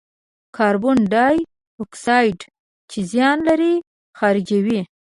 کاربن دای اکساید چې زیان لري، خارجوي.